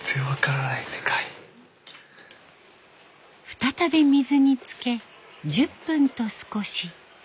再び水につけ１０分と少し。